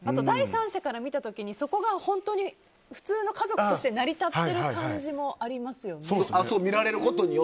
第三者から見た時にそこが本当に普通の家族として成り立っている感じもありますよね。